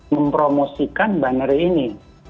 mempromosikan binary ini